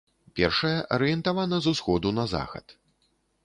Першая арыентавана з усходу на захад.